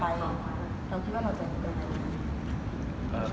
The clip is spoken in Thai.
แล้วก็เราเองก็ไม่เคยคิดร้ายอะไรกับใครด้วย